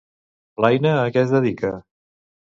L'Aina a què es dedica?